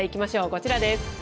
こちらです。